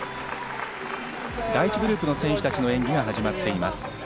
第１グループの選手たちの演技が始まっています。